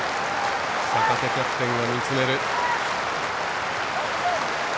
坂手キャプテンが見つめる。